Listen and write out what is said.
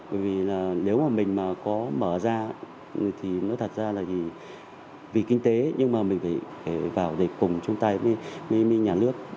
bởi vì là nếu mà mình có mở ra thì nó thật ra là vì kinh tế nhưng mà mình phải vào cùng chung tay với nhà nước